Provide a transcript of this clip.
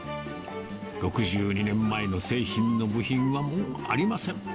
６２年前の製品の部品は、もうありません。